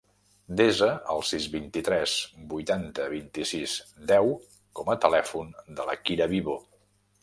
Desa el sis, vint-i-tres, vuitanta, vint-i-sis, deu com a telèfon de la Kira Vivo.